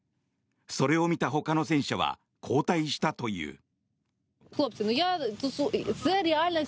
それを見たほかの戦車は後退したという。